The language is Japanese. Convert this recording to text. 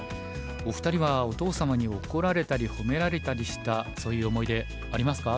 お二人はお父様に怒られたり褒められたりしたそういう思い出ありますか？